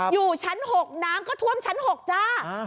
อยู่ชั้น๖น้ำก็ท่วมชั้น๖จ้า